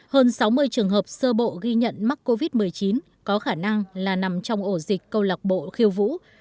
hơn sáu mươi trường hợp sơ bộ ghi nhận mắc covid một mươi chín có khả năng là nằm trong ổ dịch câu lạc bộ khiêu vũ